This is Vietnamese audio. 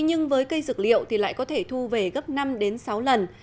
nhưng với cây dược liệu lại có thể thu về gấp năm sáu lần